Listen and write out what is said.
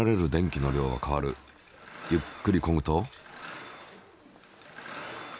ゆっくりこぐと。